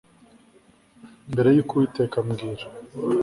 mbere yuko uwiteka ambwira